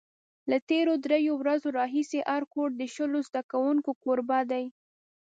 له تېرو درېیو ورځو راهیسې هر کور د شلو زده کوونکو کوربه دی.